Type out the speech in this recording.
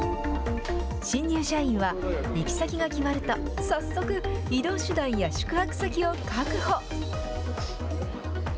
新入社員は行き先が決まると、早速、移動手段や宿泊先を確保。